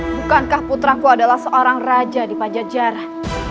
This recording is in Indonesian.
bukankah putraku adalah seorang raja di pajajaran